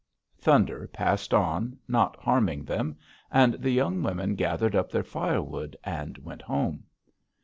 "Thunder passed on, not harming them, and the young women gathered up their firewood and went home.